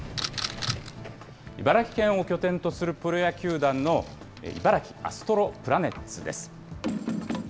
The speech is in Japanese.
茨城県を拠点とするプロ野球団の茨城アストロプラネッツです。